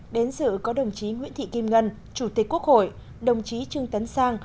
đến dự có đồng chí nguyễn thị kim ngân chủ tịch quốc hội đồng chí trương tấn sang